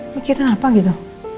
pikiran apa gitu